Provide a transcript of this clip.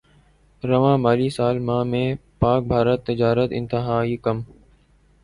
رواں مالی سال ماہ میں پاکبھارت تجارت انتہائی کم